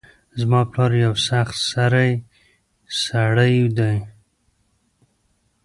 زما پلار یو سخت سرۍ سړۍ ده